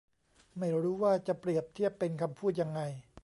ไม่รู้ว่าจะเปรียบเทียบเป็นคำพูดยังไง